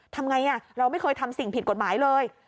ทำไงเราไม่เคยทำสิ่งผิดกฎหมายเลย